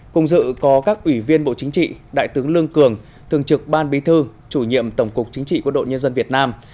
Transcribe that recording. cùng dự có các ủy viên bộ chính trị đại tướng lương cường thường trực ban bí thư chủ nhiệm tổng cục chính trị quân đội nhân dân việt nam